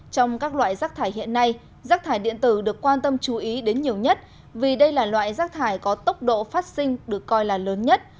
trong các loại rác thải hiện nay rác thải điện tử được quan tâm chú ý đến nhiều nhất vì đây là loại rác thải có tốc độ phát sinh được coi là lớn nhất